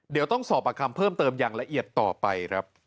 เดี๋ยวต้องสอบประคำเพิ่มเติมอย่างละเอียดต่อไปครับ